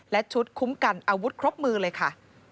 และชุดคุ้มกันอาวุธครบมือเลยค่ะ